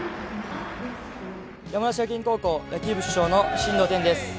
山梨学院高校野球部主将の進藤天です。